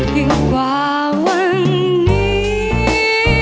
ยิ่งกว่าวันนี้